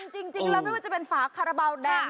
จริงแล้วไม่ว่าจะเป็นฝาคาราบาลแดง